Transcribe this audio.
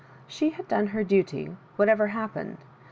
She had done her duty, whatever happened.